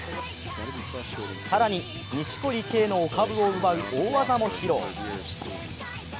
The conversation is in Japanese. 更に、錦織圭のお株を奪う大技も披露。